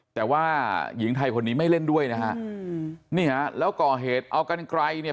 แต่ว่าหญิงไทยคนนี้ไม่เล่นด้วยนะฮะอืมนี่ฮะแล้วก่อเหตุเอากันไกลเนี่ย